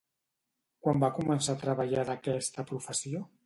Quan va començar a treballar d'aquesta professió?